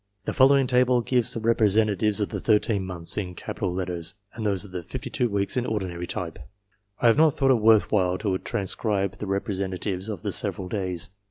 The following table gives the representatives of the 13 months in capital letters, and those of the 52 weeks in ordinary type. I have not thought it worth while to transcribe the representatives of the several days.